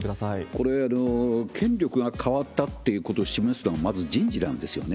これ、権力が変わったということを示すのは、まず人事なんですよね。